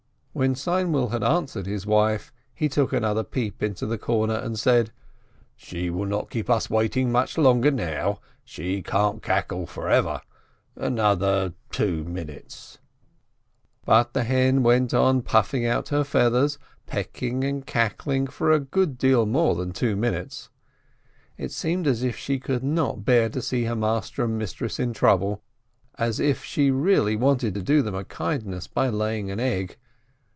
When Seinwill had answered his wife, he took another peep into the corner, and said: "She will not keep us waiting much longer now. She can't cackle forever. Another two minutes !" But the hen went on puffing out her feathers, pecking and cackling for a good deal more than two minutes. It seemed as if she could not bear to see her master and mistress in trouble, as if she really wished to do them a kindness by laying an egg.